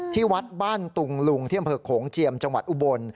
ที่วัดบ้านตุงลุงที่อำเภอโขงเจียมจังหวัดอุบล